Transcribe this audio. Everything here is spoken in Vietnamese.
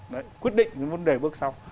đấy quyết định những vấn đề bước sau